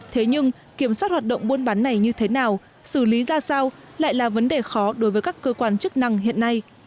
thế nhưng kiểm soát hoạt động buôn bán này như thế nào xử lý ra sao lại là vấn đề khó đối với các cơ quan chức năng hiện nay